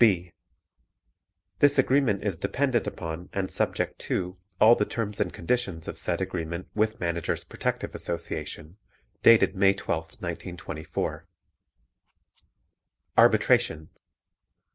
(b) This agreement is dependent upon and subject to all the terms and conditions of said agreement with Managers' Protective Association, dated May 12, 1924. Arbitration 6.